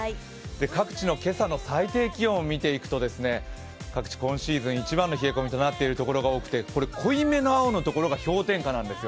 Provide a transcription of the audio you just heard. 各地の今朝の最低気温を見ていきますと各地、今シーズン一番の冷え込みとなっているところが多くて濃いめの青のところが氷点下なんですよ。